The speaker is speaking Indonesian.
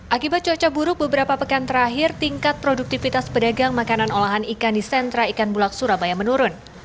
akibat cuaca buruk beberapa pekan terakhir tingkat produktivitas pedagang makanan olahan ikan di sentra ikan bulak surabaya menurun